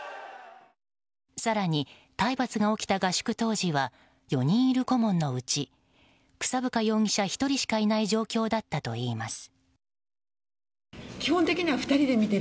更に、体罰が起きた合宿当時は４人いる顧問のうち草深容疑者１人しかいない状況だったといいます。